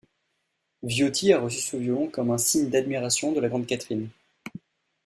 Viotti a reçu ce violon comme un signe d'admiration de la Grande Catherine.